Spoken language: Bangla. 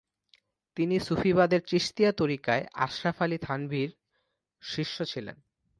তিনি সুফিবাদের চিশতিয়া তরিকায় আশরাফ আলী থানভীর শিষ্য ছিলেন।